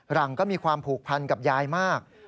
หลังก็มีความผูกพันกับยายมาก